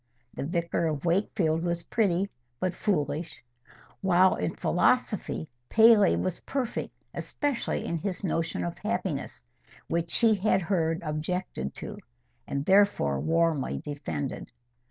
The "Vicar of Wakefield" was pretty, but foolish; while in philosophy, Paley was perfect, especially in his notion of happiness, which she had heard objected to, and therefore warmly defended.